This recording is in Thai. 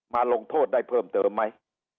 ลงโทษได้เพิ่มเติมไหม